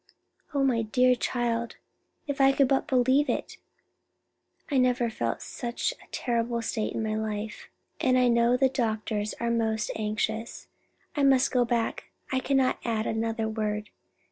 "Oh, my dear child, if I could but believe it. I never felt in such a terrible state in my life, and I know the doctors are most anxious. I must go back; I cannot add another word.